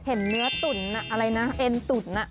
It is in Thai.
เห็นเนื้อตุ๋นเอ็นตุ๋น